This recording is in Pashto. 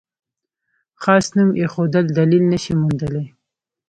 خاص نوم ایښودل دلیل نه شي موندلای.